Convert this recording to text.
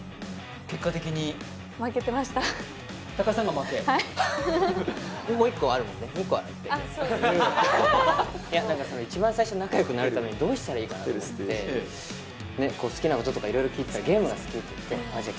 結果的に負けてました高橋さんが負けはいもう一個あるもんね二個あって一番最初に仲よくなるためにどうしたらいいかなと思って好きなこととか色々聞いてたらゲームが好きって言ってじゃあ